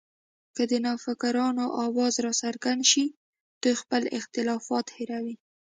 که د نوفکرانو اواز راڅرګند شي، دوی خپل اختلافات هېروي